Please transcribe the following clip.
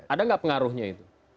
ada nggak pengaruhnya itu